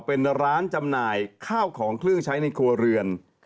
เป็นร้านจำหน่ายข้าวของเครื่องใช้ในครัวเรือน